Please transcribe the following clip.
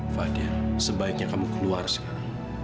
fadil sebaiknya kamu keluar sekarang